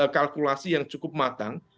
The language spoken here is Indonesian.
kalkulasi yang cukup matang